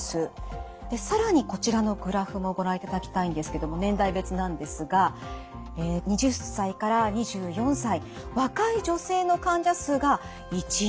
更にこちらのグラフもご覧いただきたいんですけども年代別なんですが２０歳から２４歳若い女性の患者数が一番多いんです。